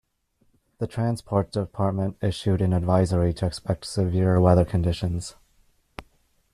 The Transport Department issued an advisory to expect severe weather conditions.